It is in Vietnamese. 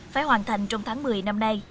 phải hoàn thành trong tháng một mươi năm nay